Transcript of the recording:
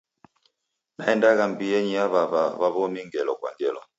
Naendagha mbienyi ya w'aw'a wa w'omi ngelo kwa ngelo.